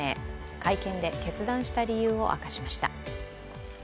会見で決断した理由を明かしました。